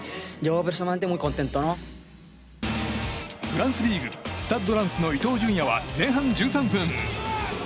フランスリーグスタッド・ランスの伊東純也は前半１３分。